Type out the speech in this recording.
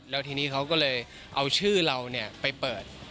แล้วทีนี้เขาก็เลยเอาชื่อเราไปเปิด